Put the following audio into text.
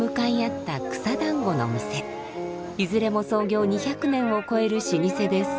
いずれも創業２００年を超える老舗です。